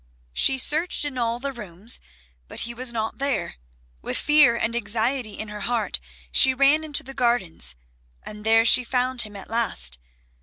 She searched in all the rooms but he was not there; with fear and anxiety in her heart she ran into the gardens, and there she found him at last.